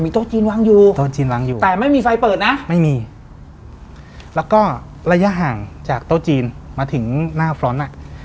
มีโต๊ะจีนวางอยู่แต่ไม่มีไฟเปิดนะไม่มีแล้วก็ระยะห่างจากโต๊ะจีนมาถึงหน้าฟรอนต์